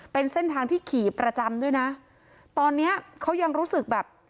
เป็นเส้นทางที่ขี่ประจำด้วยนะตอนเนี้ยเขายังรู้สึกแบบ